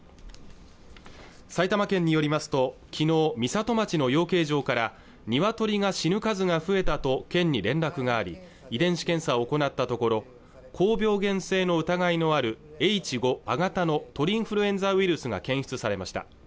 埼玉県によりますときのう美里町の養鶏場からニワトリが死ぬ数が増えたと県に連絡があり遺伝子検査を行ったところ高病原性の疑いのあるＨ５亜型の鳥インフルエンザウイルスが検出されました